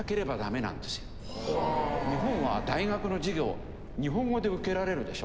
日本は大学の授業日本語で受けられるでしょ？